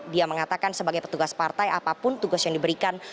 dia mengatakan sebagai petugas partai apapun tugas yang diberikan